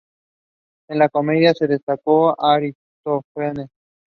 She continues to live in Montpellier.